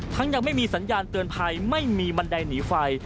ยังไม่มีสัญญาณเตือนภัยไม่มีบันไดหนีไฟ